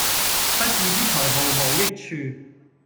不義之財毫無益處